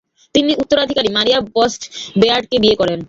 তিনি উত্তরাধিকারী Maria Bosch বেয়ার্ডকে বিয়ে করেন।